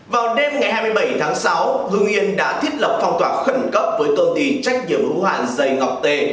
vào đêm ngày hai mươi bảy tháng sáu hương yên đã thiết lập phong toàn khẩn cấp với công ty trách nhiệm hữu hoạn dày ngọc tê